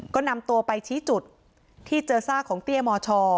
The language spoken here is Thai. ก็นำตัวไปชี้จุดที่เจอซากของเตี้ยมช